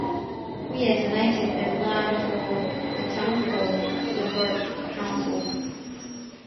Weir donated the land for the town hall to the burgh council.